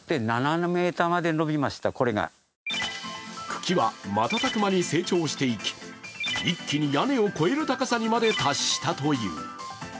茎は瞬く間に成長していき一気に屋根を超える高さにまで達したという。